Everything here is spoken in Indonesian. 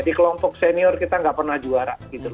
di kelompok senior kita nggak pernah juara